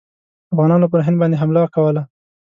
افغانانو پر هند باندي حمله کوله.